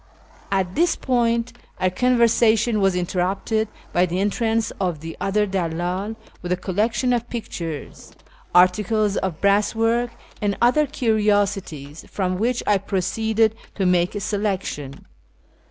At this point our conversation was interrupted by the entrance of the other dalldl with a collection of pictures, articles of brass work, and other curiosities, from which I proceeded to make a selection.